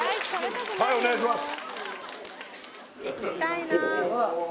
はいお願いします